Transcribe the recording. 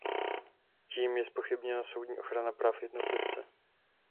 Tím je zpochybněna soudní ochrana práv jednotlivce.